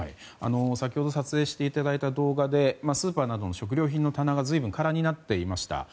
先ほど撮影していただいた動画でスーパーなどの食料品の棚が随分、空になっていました。